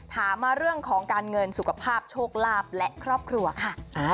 ถามมาเรื่องของการเงินสุขภาพโชคลาภและครอบครัวค่ะ